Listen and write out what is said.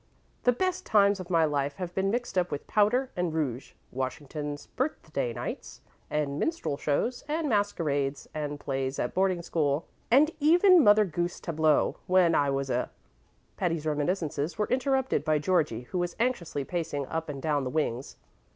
"The best times of my life have been mixed up with powder and rouge Washington's Birthday nights, and minstrel shows, and masquerades, and plays at boarding school, and even Mother Goose tableaux when I was a " Patty's reminiscences were interrupted by Georgie, who was anxiously pacing up and down the wings.